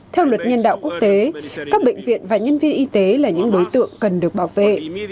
theo luật nhân đạo quốc tế các bệnh viện và nhân viên y tế là những đối tượng cần được bảo vệ